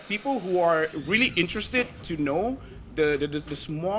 supaya orang yang sangat tertarik untuk mengetahui